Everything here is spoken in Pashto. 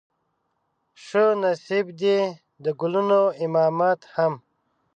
شه نصيب دې د ګلونو امامت هم